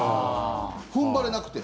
踏ん張れなくて。